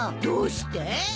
どうして？